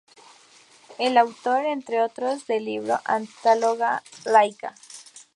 Es autor, entre otros, del libro "Antología laica".